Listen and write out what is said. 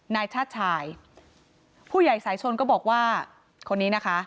นายชาติชายผู้ใหญ่สายชนก็บอกว่าคนนี้นะคะ